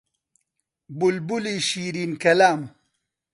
بولبولی شیرین کەلام